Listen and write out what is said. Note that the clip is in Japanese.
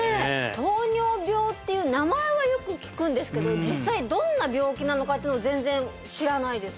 糖尿病っていう名前はよく聞くんですけど実際どんな病気なのかっていうのを全然知らないです